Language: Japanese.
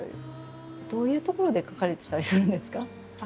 どういう所で書かれてたりするんですか？